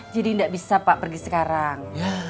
jadi ndak bisa pak pergi sekarang